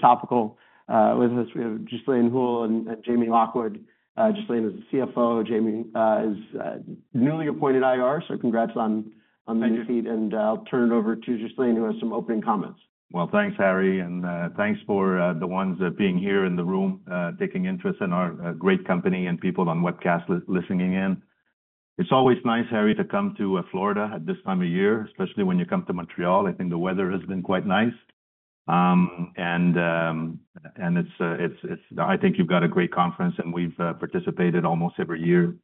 Topical. With us, we have Ghislain Houle and Jamie Lockwood. Ghislain is the CFO, Jamie is newly appointed IR, so congrats on Thank you. your new feat, and I'll turn it over to Ghislain, who has some opening comments. Well, thanks, Harry, and thanks for the ones being here in the room taking interest in our great company and people on webcast listening in. It's always nice, Harry, to come to Florida at this time of year, especially when you come to Montreal. I think the weather has been quite nice. And it's, I think you've got a great conference, and we've participated almost every year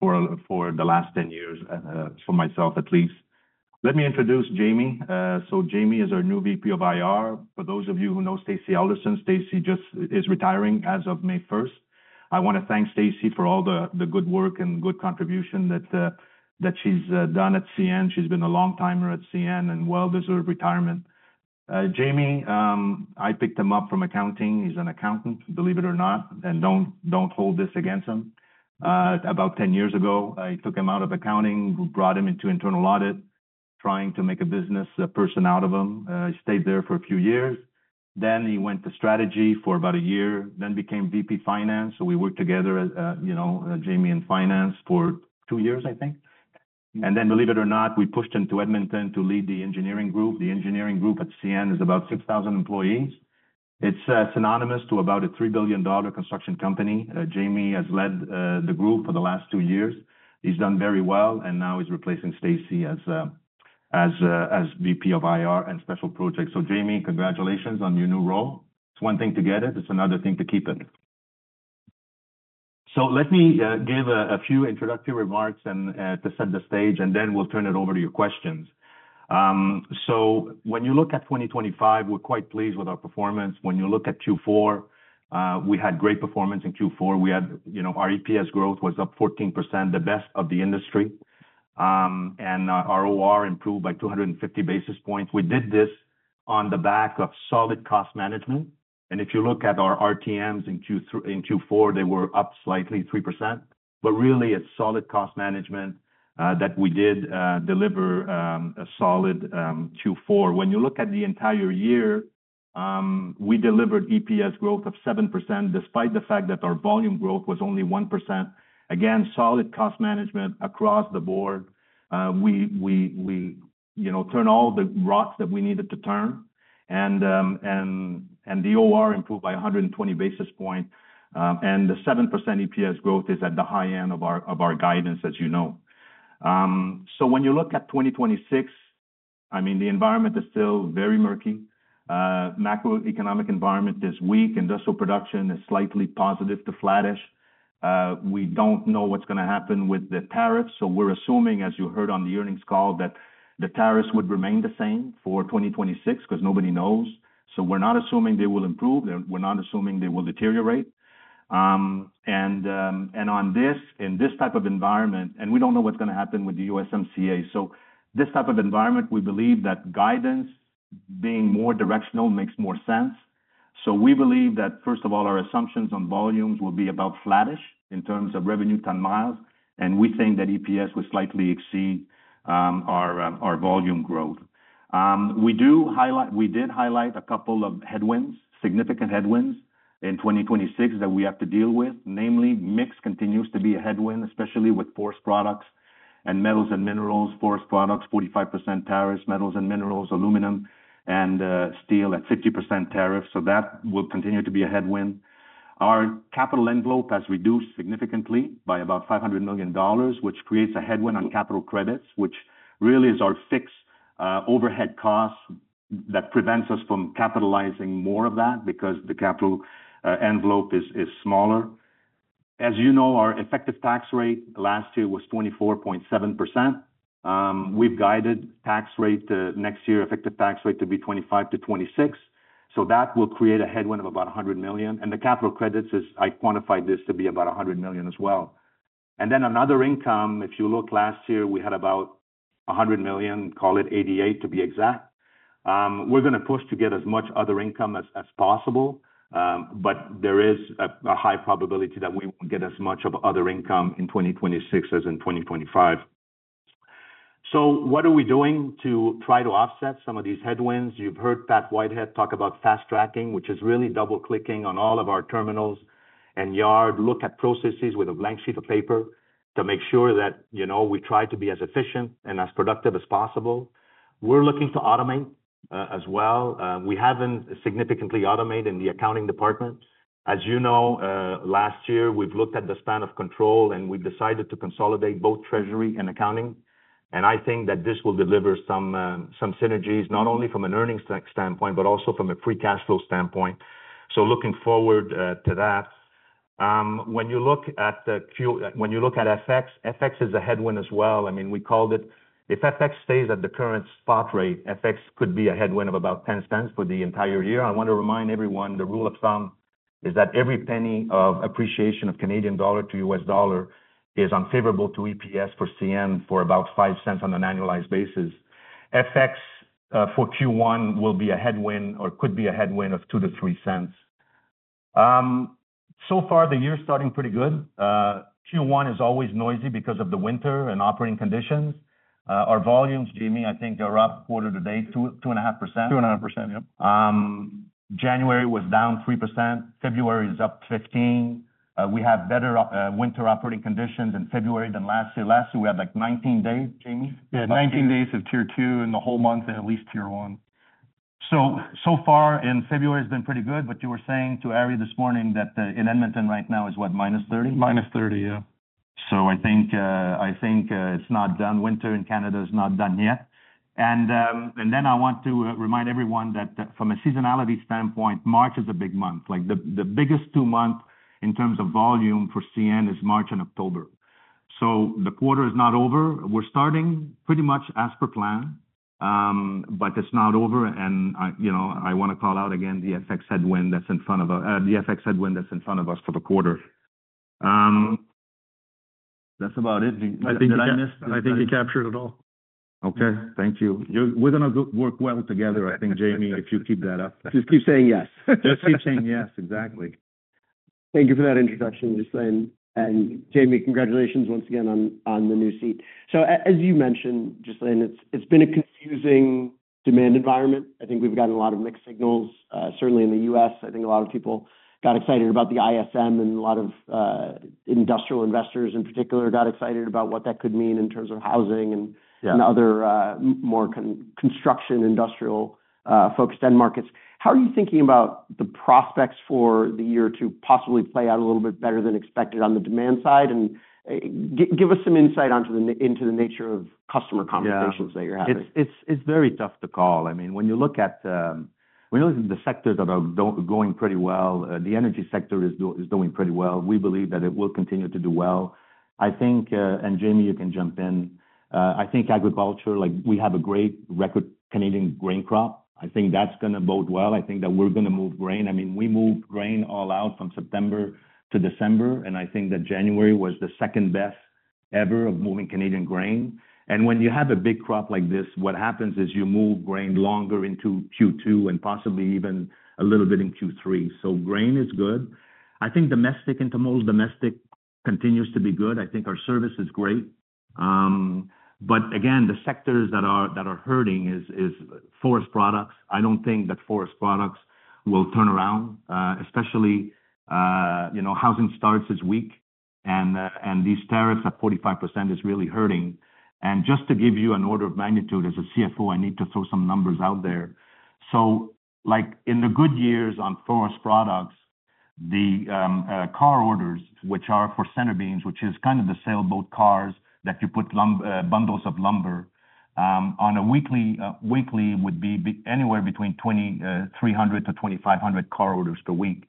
for the last 10 years, for myself at least. Let me introduce Jamie. So Jamie is our new VP of IR. For those of you who know Stacy Alderson, Stacy is retiring as of May first. I want to thank Stacy for all the good work and good contribution that she's done at CN. She's been a long-timer at CN, and well-deserved retirement. Jamie, I picked him up from accounting. He's an accountant, believe it or not, and don't hold this against him. About 10 years ago, I took him out of accounting, brought him into internal audit, trying to make a business person out of him. He stayed there for a few years, then he went to strategy for about a year, then became VP finance. So we worked together as, you know, Jamie in finance for 2 years, I think. Then, believe it or not, we pushed him to Edmonton to lead the engineering group. The engineering group at CN is about 6,000 employees. It's synonymous to about a $3 billion construction company. Jamie has led the group for the last 2 years. He's done very well, and now he's replacing Stacy as VP of IR and special projects. So Jamie, congratulations on your new role. It's one thing to get it; it's another thing to keep it. So let me give a few introductory remarks and to set the stage, and then we'll turn it over to your questions. So when you look at 2025, we're quite pleased with our performance. When you look at Q4, we had great performance in Q4. We had, you know, our EPS growth was up 14%, the best of the industry. And our OR improved by 250 basis points. We did this on the back of solid cost management, and if you look at our RTMs in Q4, they were up slightly 3%. But really, it's solid cost management that we did deliver a solid Q4. When you look at the entire year, we delivered EPS growth of 7%, despite the fact that our volume growth was only 1%. Again, solid cost management across the board. We, you know, turn all the rocks that we needed to turn. And the OR improved by 120 basis point. And the 7% EPS growth is at the high end of our guidance, as you know. So when you look at 2026, I mean, the environment is still very murky. Macroeconomic environment is weak. Industrial production is slightly positive to flattish. We don't know what's going to happen with the tariffs, so we're assuming, as you heard on the earnings call, that the tariffs would remain the same for 2026, 'cause nobody knows. So we're not assuming they will improve, and we're not assuming they will deteriorate. In this type of environment, we don't know what's going to happen with the USMCA. So this type of environment, we believe that guidance being more directional makes more sense. So we believe that, first of all, our assumptions on volumes will be about flattish in terms of revenue ton miles, and we think that EPS will slightly exceed our volume growth. We did highlight a couple of headwinds, significant headwinds in 2026 that we have to deal with. Namely, mix continues to be a headwind, especially with forest products and metals and minerals. Forest products, 45% tariffs, metals and minerals, aluminum, and steel at 50% tariffs. So that will continue to be a headwind. Our capital envelope has reduced significantly by about 500 million dollars, which creates a headwind on capital credits, which really is our fixed overhead costs that prevents us from capitalizing more of that because the capital envelope is smaller. As you know, our effective tax rate last year was 24.7%. We've guided tax rate to next year, effective tax rate to be 25%-26%. So that will create a headwind of about 100 million, and the capital credits is, I quantified this to be about 100 million as well. Then another income, if you look last year, we had about $100 million, call it $88 million, to be exact. We're going to push to get as much other income as possible, but there is a high probability that we won't get as much other income in 2026 as in 2025. So what are we doing to try to offset some of these headwinds? You've heard Pat Whitehead talk about fast tracking, which is really double-clicking on all of our terminals and yard. Look at processes with a blank sheet of paper to make sure that, you know, we try to be as efficient and as productive as possible. We're looking to automate as well. We haven't significantly automated in the accounting departments. As you know, last year, we've looked at the span of control, and we've decided to consolidate both treasury and accounting. I think that this will deliver some synergies, not only from an earnings tech standpoint, but also from a free cash flow standpoint. So looking forward to that. When you look at FX, FX is a headwind as well. I mean, we called it. If FX stays at the current spot rate, FX could be a headwind of about $0.10 for the entire year. I want to remind everyone, the rule of thumb is that every penny of appreciation of Canadian dollar to U.S. dollar is unfavorable to EPS for CN, for about $0.05 on an annualized basis. FX for Q1 will be a headwind or could be a headwind of $0.02-$0.03. So far the year is starting pretty good. Q1 is always noisy because of the winter and operating conditions. Our volumes, Jamie, I think are up quarter to date, 2-2.5%. 2.5%, yep. January was down 3%, February is up 15. We have better winter operating conditions in February than last year. Last year, we had, like, 19 days, Jamie? Yeah, 19 days of Tier two in the whole month, and at least Tier one. So, so far in February has been pretty good, but you were saying to Ari this morning that, in Edmonton right now is what? -30? Minus 30, yeah. So I think, I think, it's not done. Winter in Canada is not done yet. And, and then I want to remind everyone that, from a seasonality standpoint, March is a big month. Like, the, the biggest two month in terms of volume for CN is March and October. So the quarter is not over. We're starting pretty much as per plan, but it's not over and I, you know, I want to call out again the FX headwind that's in front of us, the FX headwind that's in front of us for the quarter. That's about it. Did I miss- I think you captured it all. Okay, thank you. We're going to work well together, I think, Jamie, if you keep that up. Just keep saying yes. Just keep saying yes, exactly. Thank you for that introduction, Ghislain. Jamie, congratulations once again on the new seat. As you mentioned, Ghislain, it's been a confusing demand environment. I think we've gotten a lot of mixed signals, certainly in the U.S. I think a lot of people got excited about the ISM, and a lot of industrial investors, in particular, got excited about what that could mean in terms of housing. Yeah And other, more construction, industrial, focused end markets. How are you thinking about the prospects for the year to possibly play out a little bit better than expected on the demand side? And give us some insight into the nature of customer conversations. Yeah That you're having. It's very tough to call. I mean, when you look at the sectors that are going pretty well, the energy sector is doing pretty well. We believe that it will continue to do well. I think, and Jamie, you can jump in. I think agriculture, like, we have a great record Canadian grain crop. I think that's going to bode well. I think that we're going to move grain. I mean, we moved grain all out from September to December, and I think that January was the second-best ever of moving Canadian grain. And when you have a big crop like this, what happens is you move grain longer into Q2 and possibly even a little bit in Q3. So grain is good. I think domestic intermodal, domestic continues to be good. I think our service is great. But again, the sectors that are hurting is forest products. I don't think that forest products will turn around, especially, you know, housing starts is weak, and these tariffs at 45% is really hurting. And just to give you an order of magnitude, as a CFO, I need to throw some numbers out there. So, like, in the good years on forest products, the car orders, which are for center beams, which is kind of the sailboat cars that you put lum- bundles of lumber, on a weekly, weekly, would be anywhere between 2,300-2,500 car orders per week.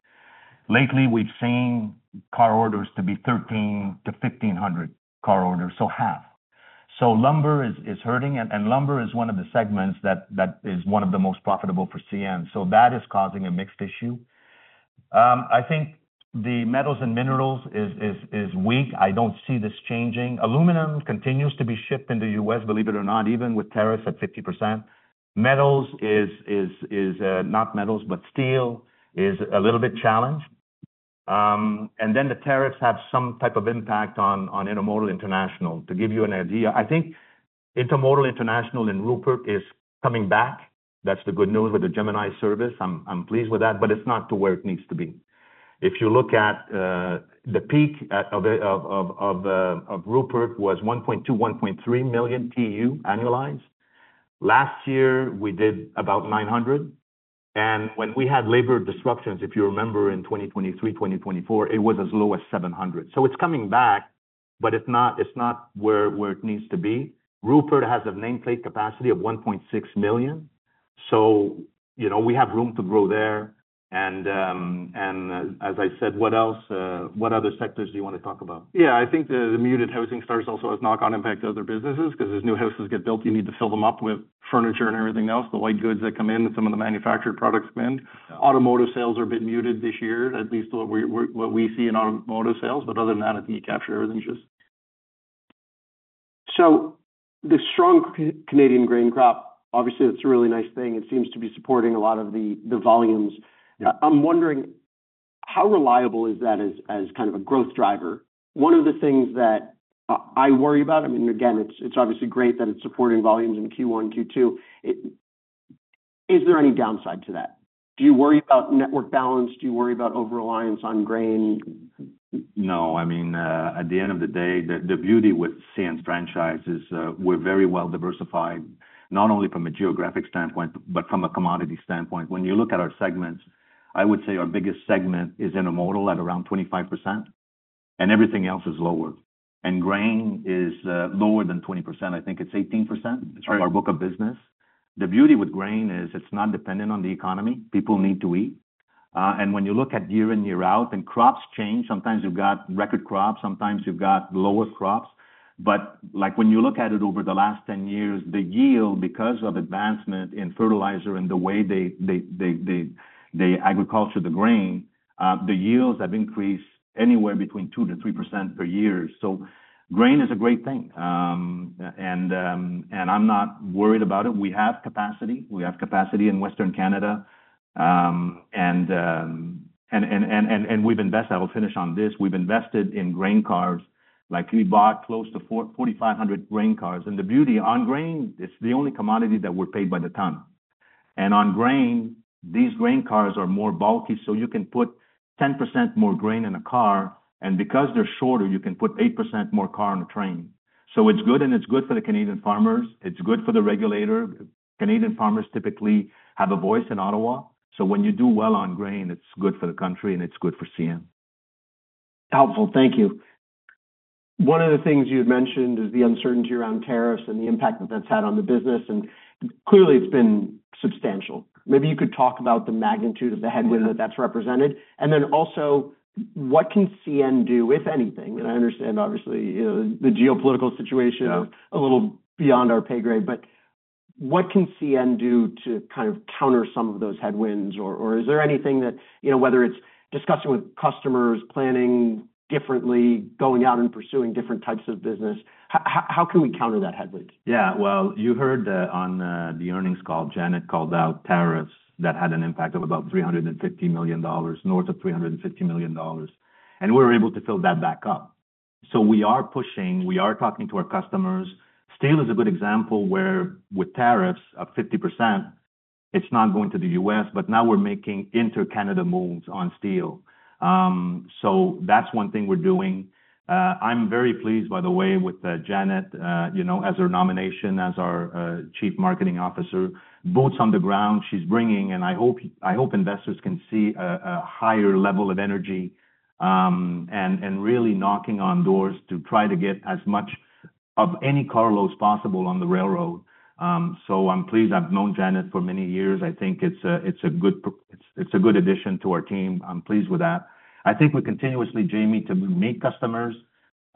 Lately, we've seen car orders to be 1,300 to 1,500 car orders, so half. So lumber is hurting, and lumber is one of the segments that is one of the most profitable for CN, so that is causing a mixed issue. I think the metals and minerals is weak. I don't see this changing. Aluminum continues to be shipped in the U.S., believe it or not, even with tariffs at 50%. Metals is not metals, but steel is a little bit challenged. And then the tariffs have some type of impact on Intermodal International. To give you an idea, I think Intermodal International in Rupert is coming back. That's the good news with the Gemini service. I'm pleased with that, but it's not to where it needs to be. If you look at the peak of Rupert was 1.2-1.3 million TEU annualized. Last year, we did about 900, and when we had labor disruptions, if you remember, in 2023, 2024, it was as low as 700. So it's coming back, but it's not where it needs to be. Rupert has a nameplate capacity of 1.6 million, so you know, we have room to grow there. And as I said, what else? What other sectors do you want to talk about? Yeah, I think the muted housing starts also has knock-on impact to other businesses, 'cause as new houses get built, you need to fill them up with furniture and everything else, the white goods that come in and some of the manufactured products come in. Automotive sales are a bit muted this year, at least what we see in automotive sales. But other than that, I think you captured everything just. The strong Canadian grain crop, obviously, it's a really nice thing. It seems to be supporting a lot of the volumes. Yeah. I'm wondering, how reliable is that as kind of a growth driver? One of the things that I worry about, I mean, again, it's obviously great that it's supporting volumes in Q1, Q2. Is there any downside to that? Do you worry about network balance? Do you worry about over-reliance on grain? No. I mean, at the end of the day, the beauty with CN's franchise is, we're very well diversified, not only from a geographic standpoint but from a commodity standpoint. When you look at our segments, I would say our biggest segment is Intermodal, at around 25%, and everything else is lower. And grain is, lower than 20%. I think it's 18%. Right Of our book of business. The beauty with grain is, it's not dependent on the economy. People need to eat. And when you look at year in, year out, and crops change, sometimes you've got record crops, sometimes you've got lower crops. But like, when you look at it over the last 10 years, the yield, because of advancement in fertilizer and the way they agriculture the grain, the yields have increased anywhere between 2%-3% per year. So grain is a great thing. And I'm not worried about it. We have capacity. We have capacity in Western Canada. And we've invested. I will finish on this. We've invested in grain cars... like we bought close to 4,500 grain cars. The beauty, on grain, it's the only commodity that we're paid by the ton. On grain, these grain cars are more bulky, so you can put 10% more grain in a car, and because they're shorter, you can put 8% more car on a train. It's good, and it's good for the Canadian farmers, it's good for the regulator. Canadian farmers typically have a voice in Ottawa, so when you do well on grain, it's good for the country and it's good for CN. Helpful. Thank you. One of the things you had mentioned is the uncertainty around tariffs and the impact that that's had on the business, and clearly, it's been substantial. Maybe you could talk about the magnitude of the headwind. Yeah That's represented. And then also, what can CN do, if anything, and I understand, obviously, you know, the geopolitical situation. Yeah A little beyond our pay grade, but what can CN do to kind of counter some of those headwinds? Or, is there anything that, you know, whether it's discussing with customers, planning differently, going out and pursuing different types of business, how can we counter that headwind? Yeah, well, you heard that on the earnings call. Janet called out tariffs that had an impact of about $350 million, north of $350 million, and we were able to fill that back up. So we are pushing, we are talking to our customers. Steel is a good example where with tariffs of 50%, it's not going to the U.S., but now we're making inter-Canada moves on steel. So that's one thing we're doing. I'm very pleased, by the way, with Janet, you know, as her nomination as our Chief Marketing Officer. Boots on the ground, she's bringing, and I hope, I hope investors can see a higher level of energy and really knocking on doors to try to get as much of any carloads possible on the railroad. So I'm pleased. I've known Janet for many years. I think it's a good addition to our team. I'm pleased with that. I think we're continuously, Jamie, to meet customers,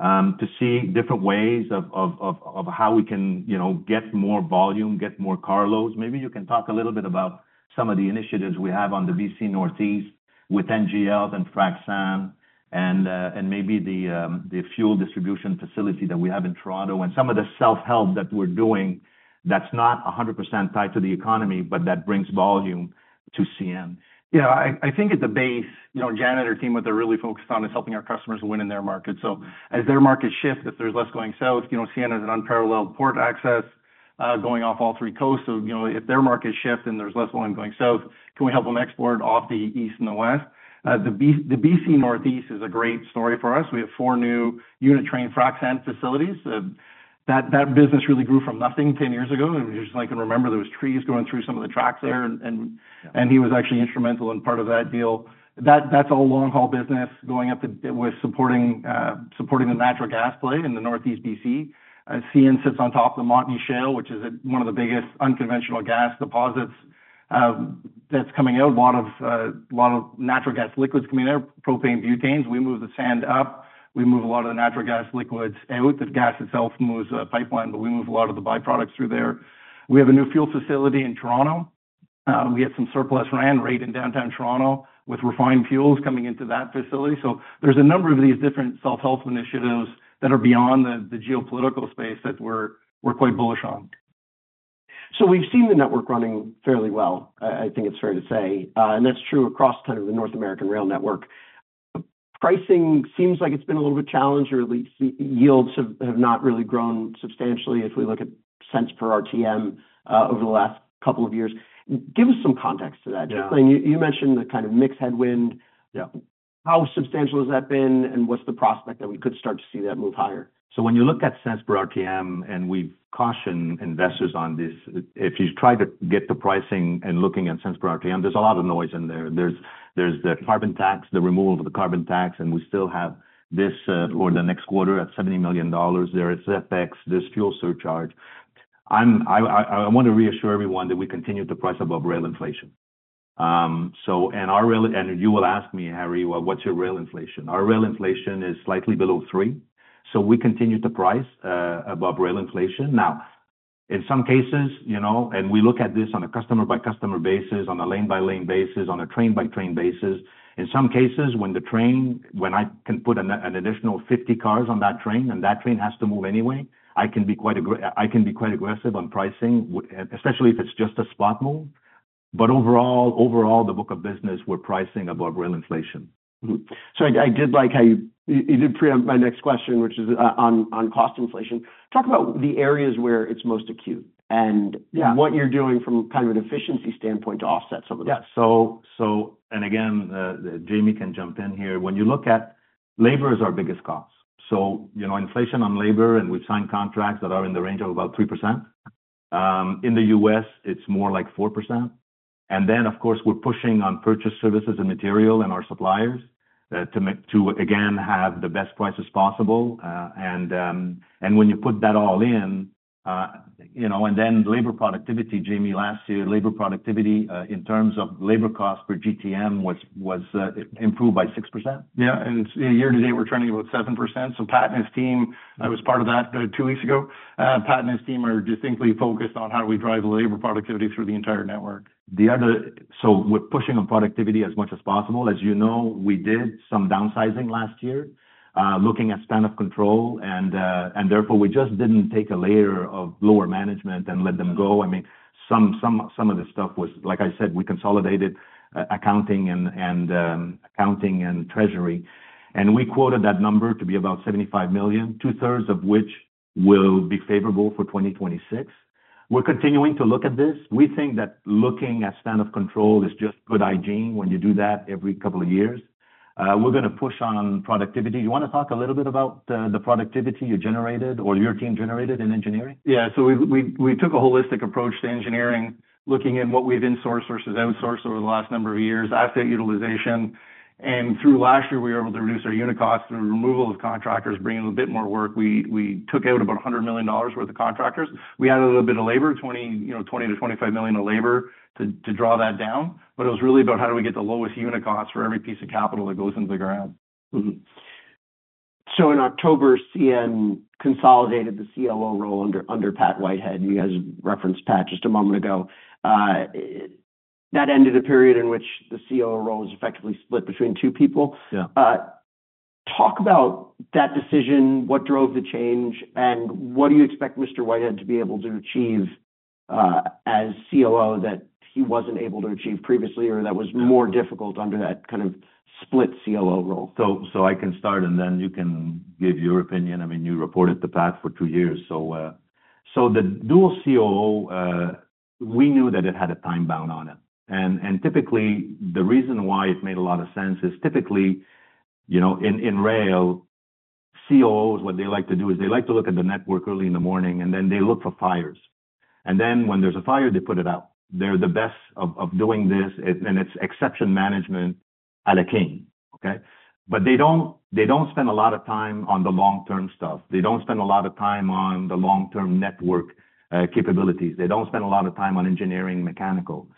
to see different ways of how we can, you know, get more volume, get more carloads. Maybe you can talk a little bit about some of the initiatives we have on the BC Northeast with NGLs and frac sand, and maybe the fuel distribution facility that we have in Toronto, and some of the self-help that we're doing that's not 100% tied to the economy, but that brings volume to CN. Yeah, I think at the base, you know, Janet and her team, what they're really focused on, is helping our customers win in their market. So as their market shift, if there's less going south, you know, CN has an unparalleled port access, going off all three coasts. So, you know, if their market shift and there's less volume going south, can we help them export off the east and the west? The BC Northeast is a great story for us. We have 4 new unit train frac sand facilities, that business really grew from nothing 10 years ago, and just I can remember there was trees growing through some of the tracks there. Yeah He was actually instrumental in part of that deal. That's all long-haul business going up the with supporting the natural gas play in the Northeast BC. CN sits on top of the Montney Shale, which is one of the biggest unconventional gas deposits that's coming out. A lot of natural gas liquids coming there, propane, butanes. We move the sand up, we move a lot of the natural gas liquids out. The gas itself moves a pipeline, but we move a lot of the byproducts through there. We have a new fuel facility in Toronto. We have some surplus land rate in downtown Toronto with refined fuels coming into that facility. So there's a number of these different self-help initiatives that are beyond the geopolitical space that we're quite bullish on. So we've seen the network running fairly well, I think it's fair to say, and that's true across kind of the North American rail network. Pricing seems like it's been a little bit challenged, or at least yields have not really grown substantially if we look at cents per RTM, over the last couple of years. Give us some context to that. Yeah. You mentioned the kind of mixed headwind. Yeah. How substantial has that been, and what's the prospect that we could start to see that move higher? So when you look at cents per RTM, and we've cautioned investors on this, if you try to get the pricing and looking at cents per RTM, there's a lot of noise in there. There's the carbon tax, the removal of the carbon tax, and we still have this or the next quarter at $70 million. There is ZEX, there's fuel surcharge. I want to reassure everyone that we continue to price above rail inflation. So and our rail and you will ask me, Harry, well, what's your rail inflation? Our rail inflation is slightly below three, so we continue to price above rail inflation. Now, in some cases, you know, and we look at this on a customer-by-customer basis, on a lane-by-lane basis, on a train-by-train basis. In some cases, when I can put an additional 50 cars on that train, and that train has to move anyway, I can be quite aggressive on pricing, especially if it's just a spot move. But overall, overall, the book of business, we're pricing above rail inflation. So I did like how you did preempt my next question, which is on cost inflation. Talk about the areas where it's most acute. Yeah What you're doing from kind of an efficiency standpoint to offset some of that. Yeah. So, and again, Jamie can jump in here. When you look at labor is our biggest cost. So, you know, inflation on labor, and we've signed contracts that are in the range of about 3%. In the US, it's more like 4%. And then, of course, we're pushing on purchase services and material and our suppliers to again have the best prices possible. And when you put that all in, you know, and then labor productivity, Jamie, last year, labor productivity in terms of labor cost per GTM was improved by 6%. Yeah, and year to date, we're turning about 7%. So Pat and his team, I was part of that, two weeks ago. Pat and his team are distinctly focused on how we drive labor productivity through the entire network. So we're pushing on productivity as much as possible. As you know, we did some downsizing last year, looking at span of control, and therefore, we just didn't take a layer of lower management and let them go. I mean, some of the stuff was, like I said, we consolidated accounting and accounting and treasury, and we quoted that number to be about $75 million, two-thirds of which will be favorable for 2026. We're continuing to look at this. We think that looking at span of control is just good hygiene when you do that every couple of years. We're going to push on productivity. You want to talk a little bit about the productivity you generated or your team generated in engineering? Yeah. So we took a holistic approach to engineering, looking at what we've insourced versus outsourced over the last number of years, asset utilization. And through last year, we were able to reduce our unit costs through removal of contractors, bringing a bit more work. We took out about $100 million worth of contractors. We added a little bit of labor, twenty, you know, $20 million-$25 million of labor to draw that down. But it was really about how do we get the lowest unit costs for every piece of capital that goes into the ground. So in October, CN consolidated the COO role under Pat Whitehead, and you guys referenced Pat just a moment ago. That ended a period in which the COO role was effectively split between two people. Yeah. Talk about that decision, what drove the change, and what do you expect Mr. Whitehead to be able to achieve as COO that he wasn't able to achieve previously, or that was more difficult under that kind of split COO role? So, so I can start, and then you can give your opinion. I mean, you reported to Pat for two years. So, so the dual COO, we knew that it had a time bound on it. And, and typically, the reason why it made a lot of sense is typically, you know, in rail, COOs, what they like to do is they like to look at the network early in the morning, and then they look for fires. And then when there's a fire, they put it out. They're the best of, of doing this, and it's exception management à la king, okay? But they don't, they don't spend a lot of time on the long-term stuff. They don't spend a lot of time on the long-term network capabilities. They don't spend a lot of time on engineering mechanical.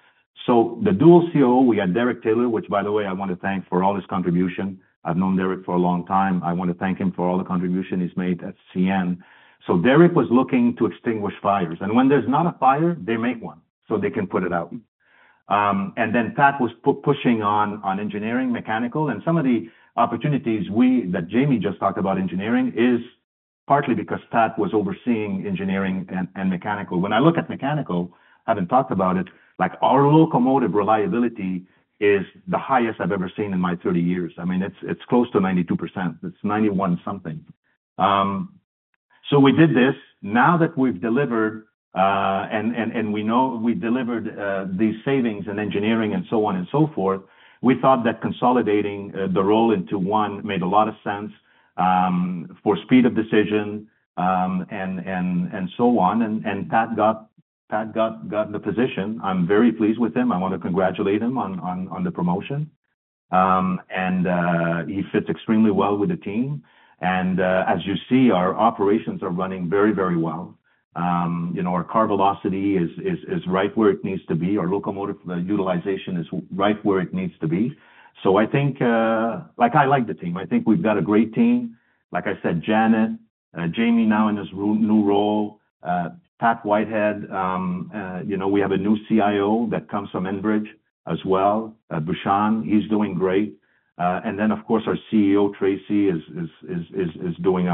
So the dual COO, we had Derek Taylor, which by the way, I want to thank for all his contribution. I've known Derek for a long time. I want to thank him for all the contribution he's made at CN. So Derek was looking to extinguish fires, and when there's not a fire, they make one so they can put it out. And then Pat was pushing on engineering, mechanical, and some of the opportunities that Jamie just talked about engineering is partly because Pat was overseeing engineering and mechanical. When I look at mechanical, having talked about it, like, our locomotive reliability is the highest I've ever seen in my 30 years. I mean, it's close to 92%. It's 91 something. So we did this. Now that we've delivered, and we know we delivered, these savings and engineering and so on and so forth, we thought that consolidating the role into one made a lot of sense, for speed of decision, and so on. Pat got the position. I'm very pleased with him. I want to congratulate him on the promotion. And he fits extremely well with the team, and as you see, our operations are running very, very well. You know, our car velocity is right where it needs to be. Our locomotive utilization is right where it needs to be. So I think, like, I like the team. I think we've got a great team. Like I said, Janet, Jamie, now in his new role, Pat Whitehead, you know, we have a new CIO that comes from Enbridge as well, Bhushan, he's doing great. And then, of course, our CEO, Tracy, is doing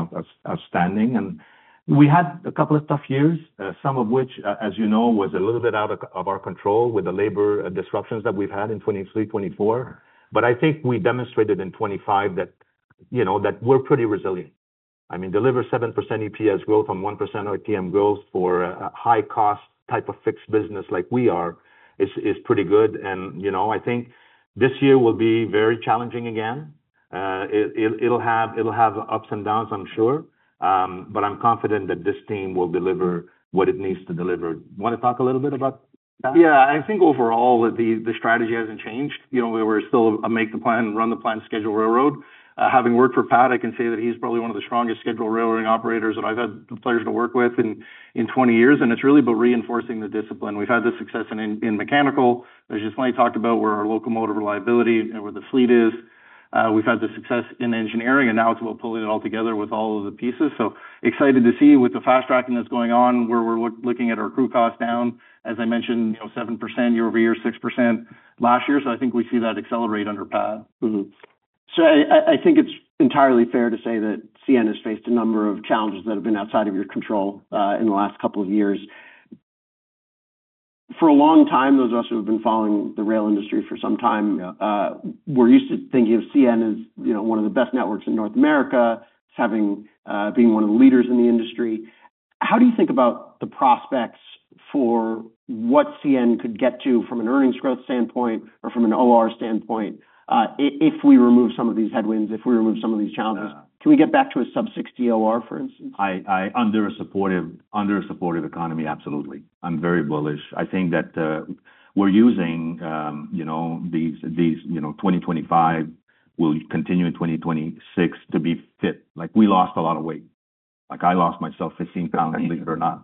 outstanding. And we had a couple of tough years, some of which, as you know, was a little bit out of our control with the labor disruptions that we've had in 2023, 2024. But I think we demonstrated in 2025 that, you know, that we're pretty resilient. I mean, deliver 7% EPS growth on 1% RTM growth for a high-cost type of fixed business like we are is pretty good. You know, I think this year will be very challenging again. It'll have ups and downs, I'm sure. But I'm confident that this team will deliver what it needs to deliver. Wanna talk a little bit about that? Yeah. I think overall, the strategy hasn't changed. You know, we're still a make the plan, run the plan, scheduled railroad. Having worked for Pat, I can say that he's probably one of the strongest scheduled railroading operators that I've had the pleasure to work with in 20 years, and it's really about reinforcing the discipline. We've had the success in mechanical, as just when I talked about where our locomotive reliability and where the fleet is. We've had the success in engineering, and now it's about pulling it all together with all of the pieces. So excited to see with the fast tracking that's going on, where we're looking at our crew cost down, as I mentioned, you know, 7% year-over-year, 6% last year. So I think we see that accelerate under Pat. So I think it's entirely fair to say that CN has faced a number of challenges that have been outside of your control, in the last couple of years. For a long time, those of us who have been following the rail industry for some time. Yeah. We're used to thinking of CN as, you know, one of the best networks in North America, having, being one of the leaders in the industry. How do you think about the prospects for what CN could get to from an earnings growth standpoint or from an OR standpoint, if we remove some of these headwinds, if we remove some of these challenges? Yeah. Can we get back to a sub 60 OR, for instance? I under a supportive, under a supportive economy, absolutely. I'm very bullish. I think that, we're using, you know, these, these, you know, 2025, we'll continue in 2026 to be fit. Like, we lost a lot of weight. Like, I lost myself 15 pounds, believe it or not.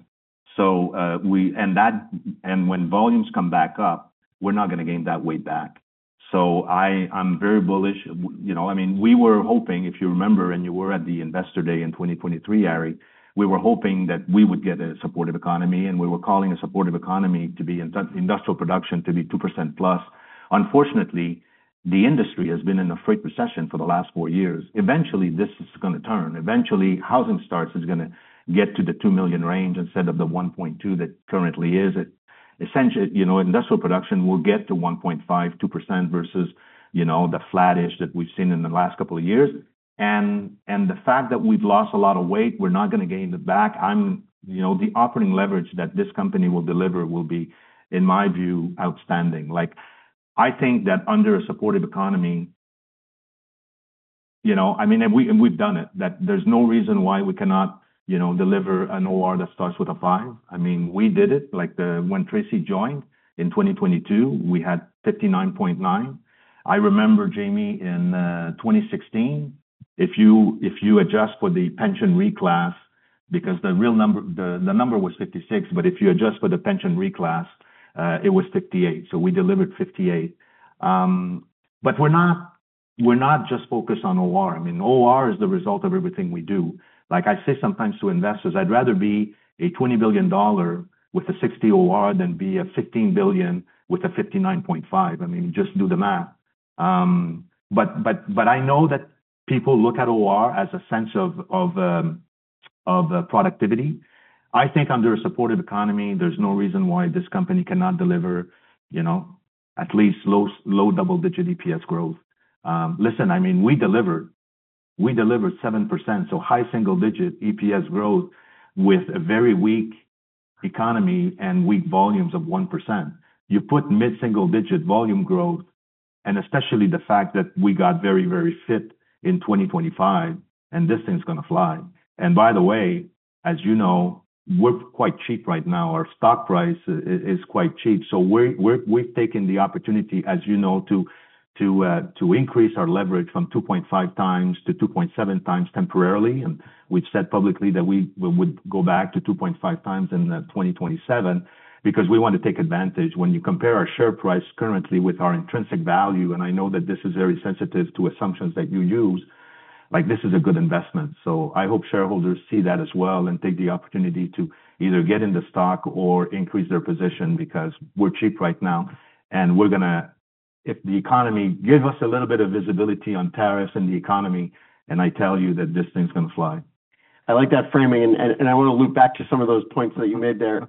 So, we, and that, and when volumes come back up, we're not going to gain that weight back. So, I'm very bullish. You know, I mean, we were hoping, if you remember, and you were at the Investor Day in 2023, Harry, we were hoping that we would get a supportive economy, and we were calling a supportive economy to be industrial production, to be 2%+. Unfortunately, the industry has been in a freight recession for the last 4 years. Eventually, this is going to turn. Eventually, housing starts is going to get to the 2 million range instead of the 1.2 that currently is it. Essentially, you know, industrial production will get to 1.5%-2% versus, you know, the flattish that we've seen in the last couple of years. And the fact that we've lost a lot of weight, we're not going to gain it back. You know, the operating leverage that this company will deliver will be, in my view, outstanding. Like, I think that under a supportive economy, you know, I mean, and we, and we've done it. That there's no reason why we cannot, you know, deliver an OR that starts with a five. I mean, we did it, like when Tracy joined in 2022, we had 59.9. I remember, Jamie, in 2016, if you, if you adjust for the pension reclass, because the real number—the number was 56, but if you adjust for the pension reclass, it was 58. So we delivered 58. But we're not, we're not just focused on OR. I mean, OR is the result of everything we do. Like I say, sometimes to investors, I'd rather be a $20 billion with a 60 OR than be a $15 billion with a 59.5. I mean, just do the math. But I know that people look at OR as a sense of, of, productivity. I think under a supportive economy, there's no reason why this company cannot deliver, you know, at least low double-digit EPS growth. Listen, I mean, we delivered, we delivered 7%, so high single-digit EPS growth with a very weak economy and weak volumes of 1%. You put mid-single-digit volume growth, and especially the fact that we got very, very fit in 2025, and this thing's going to fly. And by the way, as you know, we're quite cheap right now. Our stock price is, is quite cheap. So we've taken the opportunity, as you know, to increase our leverage from 2.5 times to 2.7 times temporarily. We've said publicly that we would go back to 2.5 times in 2027 because we want to take advantage. When you compare our share price currently with our intrinsic value, and I know that this is very sensitive to assumptions that you use, like this is a good investment. So I hope shareholders see that as well and take the opportunity to either get in the stock or increase their position, because we're cheap right now. And we're going to. If the economy give us a little bit of visibility on tariffs and the economy, and I tell you that this thing's going to fly. I like that framing, and I want to loop back to some of those points that you made there.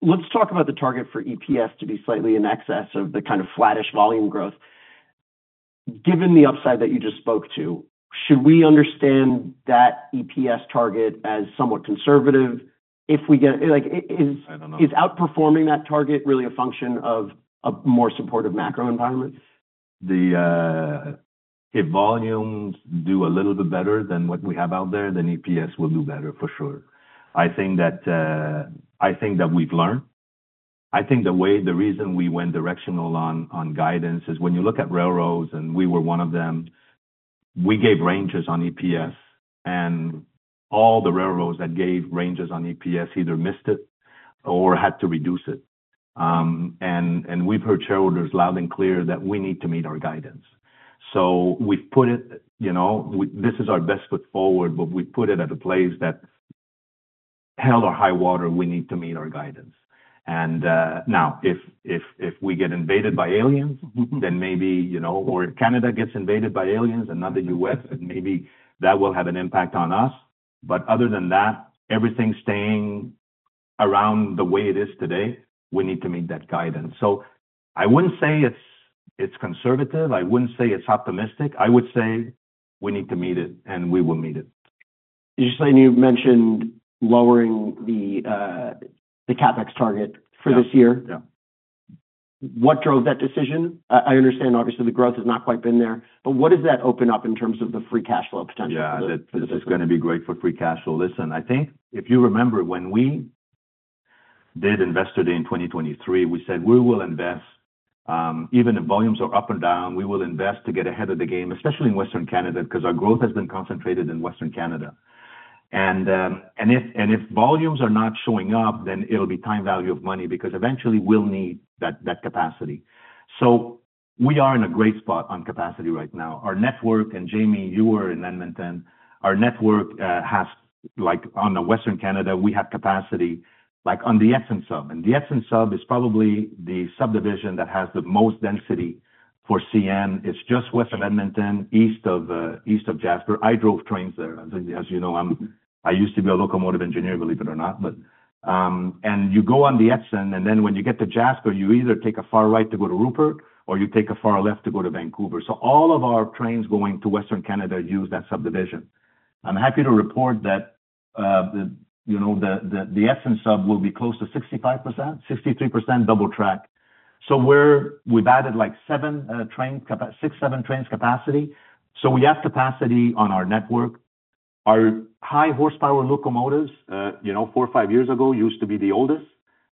Let's talk about the target for EPS to be slightly in excess of the kind of flattish volume growth. Given the upside that you just spoke to, should we understand that EPS target as somewhat conservative? If we get. I don't know. Is outperforming that target really a function of a more supportive macro environment? If volumes do a little bit better than what we have out there, then EPS will do better for sure. I think that, I think that we've learned. I think the way—the reason we went directional on guidance is when you look at railroads, and we were one of them, we gave ranges on EPS, and all the railroads that gave ranges on EPS either missed it or had to reduce it. And we've heard shareholders loud and clear that we need to meet our guidance. So we've put it, you know, this is our best foot forward, but we put it at a place that, hell or high water, we need to meet our guidance. Now, if we get invaded by aliens, then maybe, you know, or if Canada gets invaded by aliens and not the US, then maybe that will have an impact on us. Other than that, everything staying around the way it is today, we need to meet that guidance. I wouldn't say it's conservative, I wouldn't say it's optimistic. I would say we need to meet it, and we will meet it. You said you mentioned lowering the CapEx target for this year. Yeah. What drove that decision? I understand obviously the growth has not quite been there, but what does that open up in terms of the free cash flow potential? Yeah, this is going to be great for free cash flow. Listen, I think if you remember, when we did Investor Day in 2023, we said we will invest, even if volumes are up and down, we will invest to get ahead of the game, especially in Western Canada, because our growth has been concentrated in Western Canada. And if volumes are not showing up, then it'll be time value of money, because eventually we'll need that, that capacity. So we are in a great spot on capacity right now. Our network, and Jamie, you were in Edmonton, our network has, like, on the Western Canada, we have capacity, like on the Edson Sub. And the Edson Sub is probably the subdivision that has the most density for CN. It's just west of Edmonton, east of Jasper. I drove trains there. As you know, I used to be a locomotive engineer, believe it or not. But and you go on the Edson, and then when you get to Jasper, you either take a far right to go to Rupert or you take a far left to go to Vancouver. So all of our trains going to Western Canada use that subdivision. I'm happy to report that, you know, the Edson Sub will be close to 65%, 63% double track. So we've added, like 7 train capacity. Six, 7 trains capacity. So we have capacity on our network. Our high horsepower locomotives, you know, four or five years ago, used to be the oldest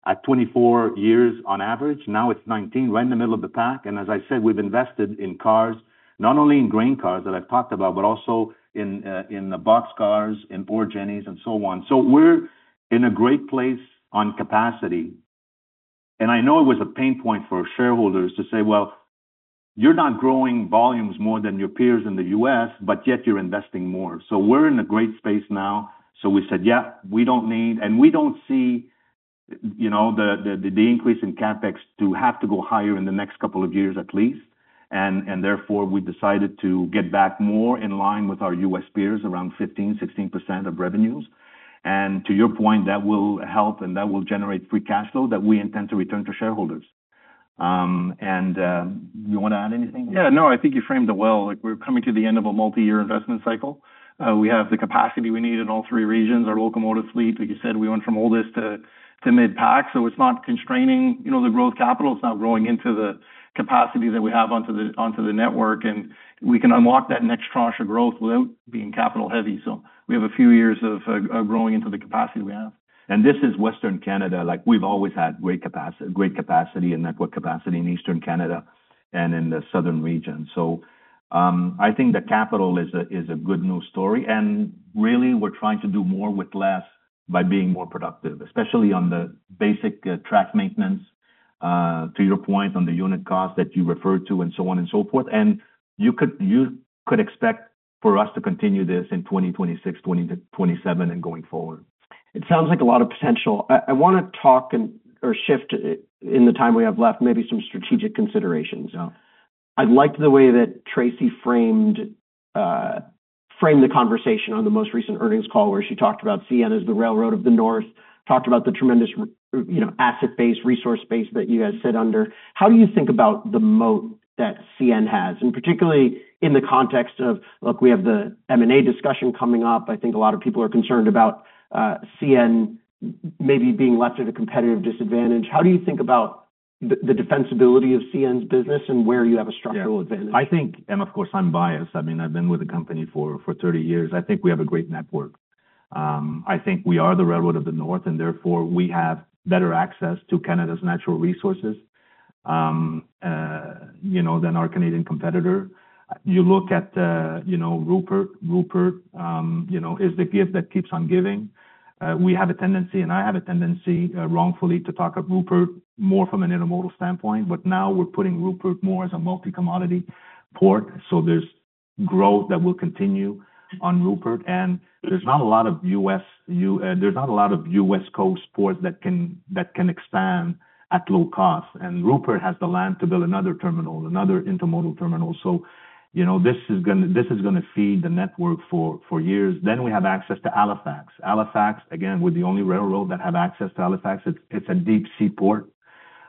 at 24 years on average. Now it's 19, right in the middle of the pack. And as I said, we've invested in cars, not only in grain cars that I've talked about, but also in the boxcars, in Pork Gennies and so on. So we're in a great place on capacity, and I know it was a pain point for shareholders to say, "Well, you're not growing volumes more than your peers in the U.S., but yet you're investing more." So we're in a great space now. So we said: Yeah, we don't need. And we don't see, you know, the increase in CapEx to have to go higher in the next couple of years, at least. And therefore, we decided to get back more in line with our U.S. peers, around 15-16% of revenues. And to your point, that will help, and that will generate free cash flow that we intend to return to shareholders. You want to add anything? Yeah, no, I think you framed it well. Like, we're coming to the end of a multi-year investment cycle. We have the capacity we need in all three regions. Our locomotive fleet, like you said, we went from oldest to mid-pack. So it's not constraining, you know, the growth capital. It's not growing into the capacity that we have onto the network, and we can unlock that next tranche of growth without being capital heavy. So we have a few years of growing into the capacity we have. This is Western Canada, like we've always had great capacity and network capacity in Eastern Canada and in the southern region. So, I think the capital is a, is a good news story, and really, we're trying to do more with less by being more productive, especially on the basic track maintenance, to your point on the unit cost that you referred to and so on and so forth. You could, you could expect for us to continue this in 2026, 2027, and going forward. It sounds like a lot of potential. I wanna talk and or shift in the time we have left, maybe some strategic considerations. I liked the way that Tracy framed the conversation on the most recent earnings call, where she talked about CN as the railroad of the North, talked about the tremendous, you know, asset base, resource base that you guys sit under. How do you think about the moat that CN has, and particularly in the context of, look, we have the M&A discussion coming up. I think a lot of people are concerned about, CN maybe being left at a competitive disadvantage. How do you think about the, the defensibility of CN's business and where you have a structural advantage? I think, and of course, I'm biased. I mean, I've been with the company for 30 years. I think we have a great network. I think we are the railroad of the North, and therefore, we have better access to Canada's natural resources, you know, than our Canadian competitor. You look at, you know, Rupert. Rupert, you know, is the gift that keeps on giving. We have a tendency, and I have a tendency, wrongfully, to talk of Rupert more from an intermodal standpoint, but now we're putting Rupert more as a multi-commodity port. So there's growth that will continue on Rupert, and there's not a lot of US, there's not a lot of West Coast ports that can expand at low cost, and Rupert has the land to build another terminal, another intermodal terminal. So, you know, this is going to this is going to feed the network for, for years. Then we have access to Halifax. Halifax, again, we're the only railroad that have access to Halifax. It's, it's a deep seaport.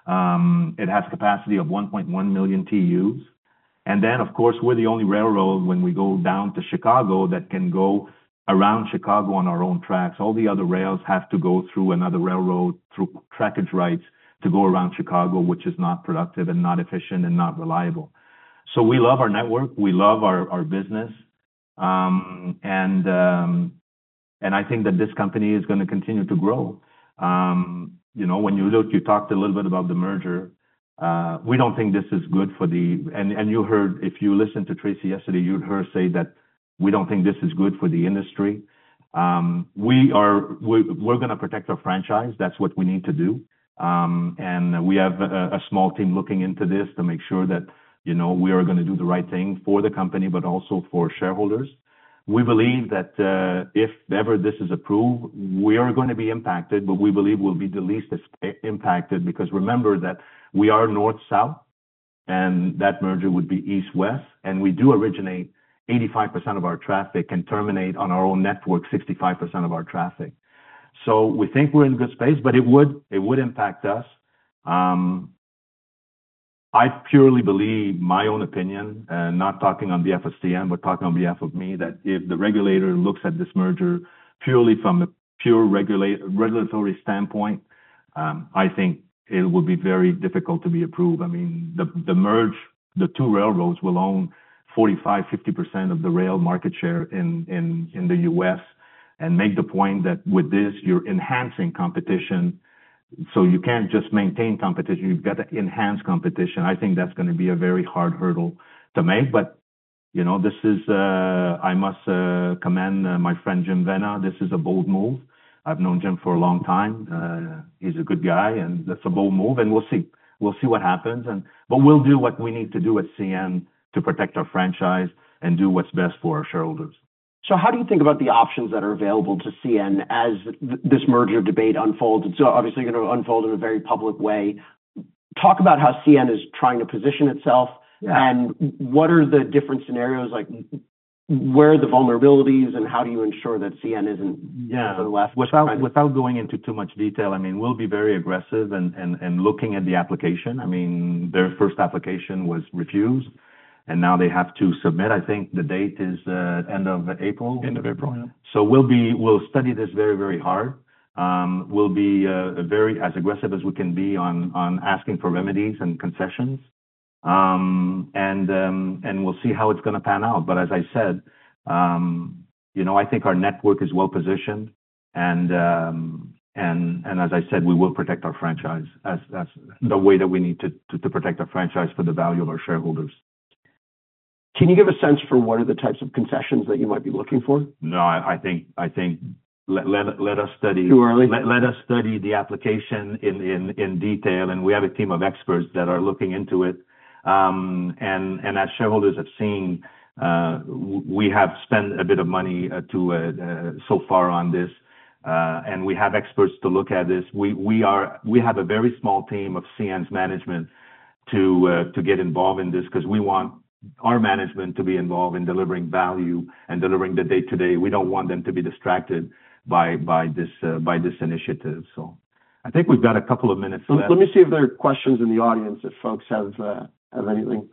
It has capacity of 1.1 million TEUs. And then, of course, we're the only railroad when we go down to Chicago, that can go around Chicago on our own tracks. All the other rails have to go through another railroad, through trackage rights to go around Chicago, which is not productive and not efficient and not reliable. So we love our network, we love our, our business. And I think that this company is going to continue to grow. You know, when you look, you talked a little bit about the merger. We don't think this is good for the industry. And you heard, if you listened to Tracy yesterday, you heard her say that we don't think this is good for the industry. We're going to protect our franchise. That's what we need to do. And we have a small team looking into this to make sure that, you know, we are going to do the right thing for the company, but also for shareholders. We believe that, if ever this is approved, we are going to be impacted, but we believe we'll be the least impacted, because remember that we are north-south, and that merger would be east-west, and we do originate 85% of our traffic and terminate on our own network, 65% of our traffic. So we think we're in a good space, but it would impact us. I purely believe, my own opinion, and not talking on behalf of CN, but talking on behalf of me, that if the regulator looks at this merger purely from a pure regulatory standpoint, I think it would be very difficult to be approved. I mean, the two railroads will own 45%-50% of the rail market share in the U.S., and make the point that with this, you're enhancing competition. So you can't just maintain competition, you've got to enhance competition. I think that's going to be a very hard hurdle to make, but, you know, this is... I must commend my friend, Jim Vena. This is a bold move. I've known Jim for a long time. He's a good guy, and that's a bold move, and we'll see. We'll see what happens, but we'll do what we need to do at CN to protect our franchise and do what's best for our shareholders. So how do you think about the options that are available to CN as this merger debate unfolds? It's obviously going to unfold in a very public way. Talk about how CN is trying to position itself- Yeah. and what are the different scenarios, like, where are the vulnerabilities, and how do you ensure that CN isn't. Yeah. Left behind? Without going into too much detail, I mean, we'll be very aggressive and looking at the application. I mean, their first application was refused, and now they have to submit. I think the date is end of April? End of April. So we'll study this very, very hard. We'll be very aggressive as we can be on asking for remedies and concessions. We'll see how it's going to pan out. But as I said, you know, I think our network is well-positioned, and as I said, we will protect our franchise. That's the way that we need to protect our franchise for the value of our shareholders. Can you give a sense for what are the types of concessions that you might be looking for? No, I think let us study. Too early? Let us study the application in detail, and we have a team of experts that are looking into it. And as shareholders have seen, we have spent a bit of money so far on this. And we have experts to look at this. We have a very small team of CN's management to get involved in this, 'cause we want our management to be involved in delivering value and delivering the day-to-day. We don't want them to be distracted by this initiative. So I think we've got a couple of minutes left. Let me see if there are questions in the audience, if folks have anything.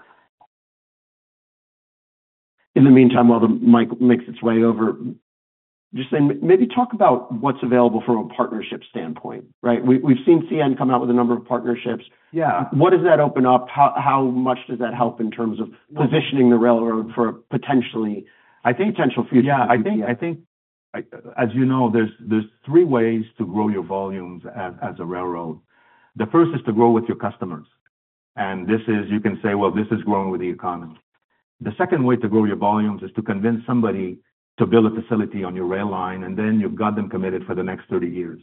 In the meantime, while the mic makes its way over, just then maybe talk about what's available from a partnership standpoint, right? We, we've seen CN come out with a number of partnerships. Yeah. What does that open up? How much does that help in terms of positioning the railroad for potentially. I think. Potential future? Yeah, I think, I think, as you know, there's, there's 3 ways to grow your volumes as, as a railroad. The first is to grow with your customers, and this is, you can say, well, this is growing with the economy. The second way to grow your volumes is to convince somebody to build a facility on your rail line, and then you've got them committed for the next 30 years.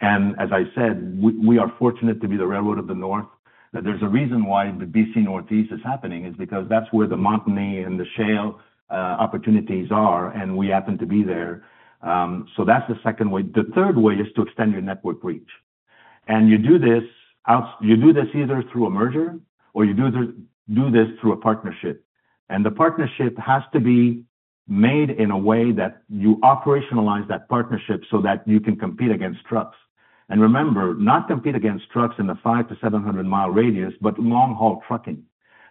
And as I said, we, we are fortunate to be the railroad of the north, that there's a reason why the BC Northeast is happening, is because that's where the Montney and the shale opportunities are, and we happen to be there. So that's the second way. The third way is to extend your network reach. And you do this either through a merger or you do this, do this through a partnership. The partnership has to be made in a way that you operationalize that partnership so that you can compete against trucks. Remember, not compete against trucks in the 500-700-mile radius, but long-haul trucking.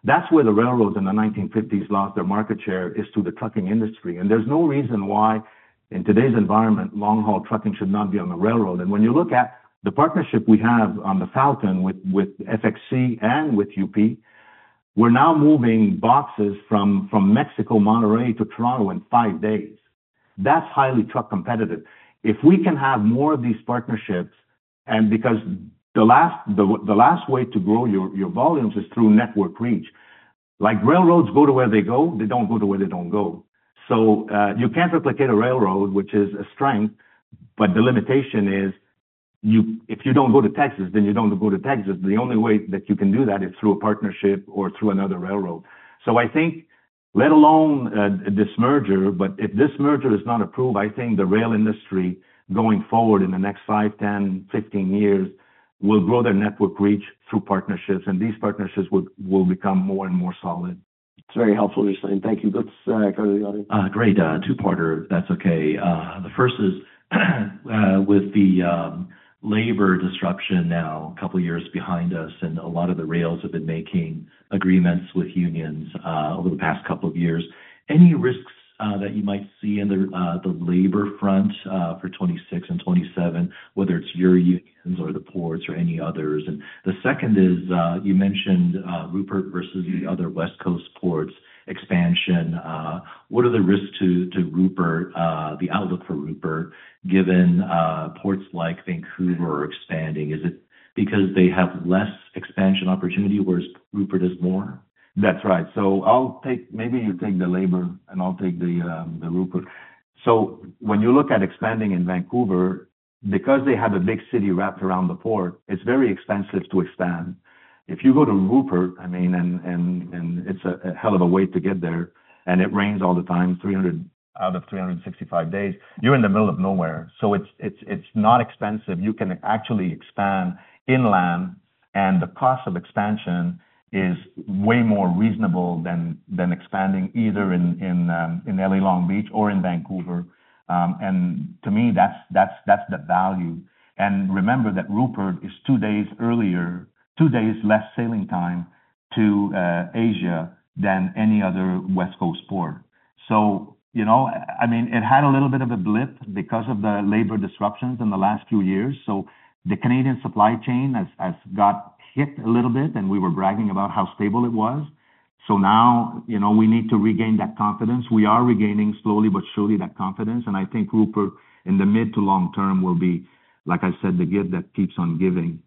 That's where the railroads in the 1950s lost their market share, is to the trucking industry. There's no reason why, in today's environment, long-haul trucking should not be on the railroad. When you look at the partnership we have on the Falcon with FXE and with UP, we're now moving boxes from Mexico, Monterrey to Toronto in 5 days. That's highly truck competitive. If we can have more of these partnerships and because the last way to grow your volumes is through network reach. Like, railroads go to where they go, they don't go to where they don't go. So, you can't replicate a railroad, which is a strength, but the limitation is you, if you don't go to Texas, then you don't go to Texas. The only way that you can do that is through a partnership or through another railroad. So I think, let alone this merger, but if this merger is not approved, I think the rail industry, going forward in the next five, 10, 15 years, will grow their network reach through partnerships, and these partnerships would, will become more and more solid. It's very helpful, Ghislain. Thank you. Let's go to the audience. Great, two-parter. That's okay. The first is, with the labor disruption now a couple of years behind us, and a lot of the rails have been making agreements with unions over the past couple of years. Any risks that you might see in the labor front for 2026 and 2027, whether it's your unions or the ports or any others? And the second is, you mentioned Rupert versus the other West Coast ports expansion. What are the risks to Rupert, the outlook for Rupert, given ports like Vancouver are expanding? Is it because they have less expansion opportunity, whereas Rupert is more? That's right. So I'll take. Maybe you take the labor, and I'll take the Rupert. So when you look at expanding in Vancouver, because they have a big city wrapped around the port, it's very expensive to expand. If you go to Rupert, I mean, and it's a hell of a way to get there, and it rains all the time, 300 out of 365 days, you're in the middle of nowhere. So it's not expensive. You can actually expand inland, and the cost of expansion is way more reasonable than expanding either in LA Long Beach or in Vancouver. And to me, that's the value. And remember that Rupert is two days earlier, two days less sailing time to Asia than any other West Coast port. So, you know, I mean, it had a little bit of a blip because of the labor disruptions in the last few years. So the Canadian supply chain has, has got hit a little bit, and we were bragging about how stable it was. So now, you know, we need to regain that confidence. We are regaining slowly but surely, that confidence, and I think Rupert, in the mid to long term, will be, like I said, the gift that keeps on giving.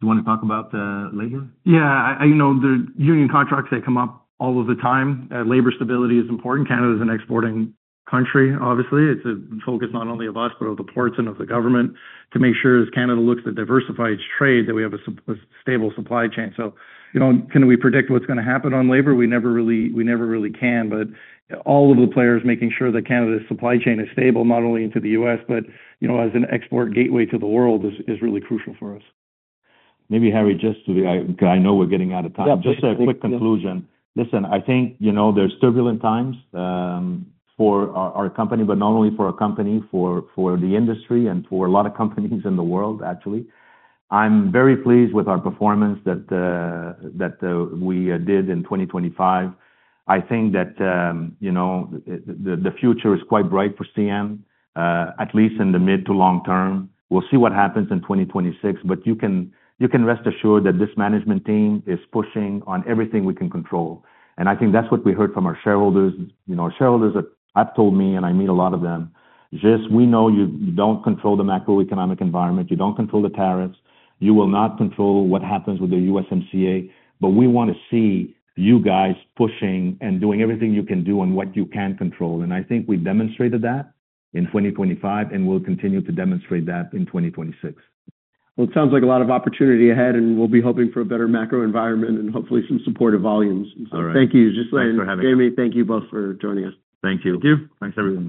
Do you want to talk about the labor? Yeah, I, I know the union contracts that come up all of the time, labor stability is important. Canada is an exporting country. Obviously, it's a focus not only of us, but of the ports and of the government, to make sure as Canada looks to diversify its trade, that we have a stable supply chain. So, you know, can we predict what's going to happen on labor? We never really, we never really can, but all of the players making sure that Canada's supply chain is stable, not only into the U.S., but you know, as an export gateway to the world, is really crucial for us. Maybe, Harry, just to the. I know we're getting out of time. Yeah. Just a quick conclusion. Listen, I think, you know, there's turbulent times for our company, but not only for our company, for the industry and for a lot of companies in the world, actually. I'm very pleased with our performance that we did in 2025. I think that, you know, the future is quite bright for CN, at least in the mid to long term. We'll see what happens in 2026, but you can rest assured that this management team is pushing on everything we can control, and I think that's what we heard from our shareholders. You know, our shareholders have told me, and I meet a lot of them, "Gis, we know you, you don't control the macroeconomic environment, you don't control the tariffs, you will not control what happens with the USMCA, but we want to see you guys pushing and doing everything you can do on what you can control." I think we demonstrated that in 2025, and we'll continue to demonstrate that in 2026. Well, it sounds like a lot of opportunity ahead, and we'll be hoping for a better macro environment and hopefully some supportive volumes. All right. Thank you. Thanks for having me. Jamie, thank you both for joining us. Thank you. Thanks, everyone.